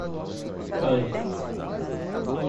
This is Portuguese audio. Pânico